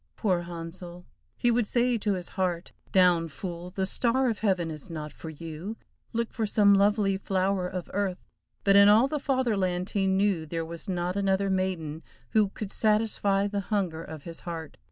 Poor Handsel! He would say to his heart, "Down, fool, the star of heaven is not for you, look for some lovely flower of earth," but in all the Fatherland he knew there was not another maiden who could satisfy the hunger of his heart.